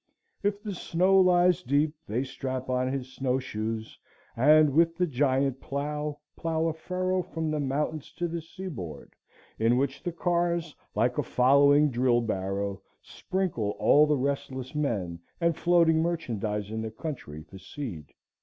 If the snow lies deep, they strap on his snow shoes, and with the giant plow, plow a furrow from the mountains to the seaboard, in which the cars, like a following drill barrow, sprinkle all the restless men and floating merchandise in the country for seed.